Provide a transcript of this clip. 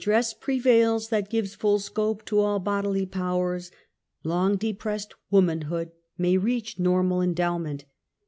101 When a dress prevails that gives full scope to all bodily powers, long depressed womanhood may reach normal endowment.